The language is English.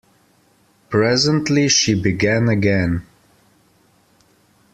Presently she began again.